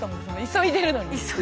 急いでるのに。